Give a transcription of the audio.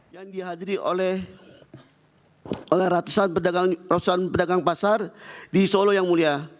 yang dihadiri oleh ratusan pedagang pasar di solo yang mulia